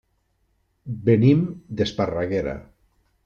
Venim d'Esparreguera.